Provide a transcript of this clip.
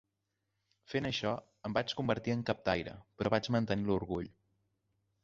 Fent això, em vaig convertir en captaire, però vaig mantenir l'orgull.